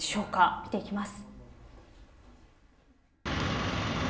見ていきます。